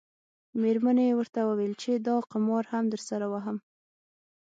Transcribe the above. میرمنې یې ورته وویل چې دا قمار هم درسره وهم.